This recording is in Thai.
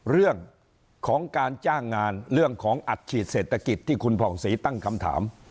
เรื่องของการจ้างงานเรื่องของอัดฉีดเศรษฐกิจที่คุณผ่องศรีตั้งคำถาม